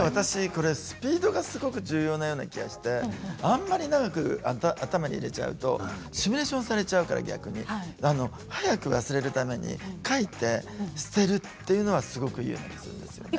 スピードがすごく重要なような気がしてあんまり長く頭に入れちゃうとシミュレーションされちゃうから早く忘れるために書いて捨てるというのはすごくいいと思います。